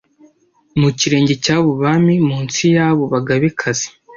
mu kirenge cy'abo bami munsi y'abo bagabekazi